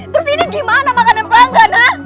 terus ini gimana makanan pelanggan ya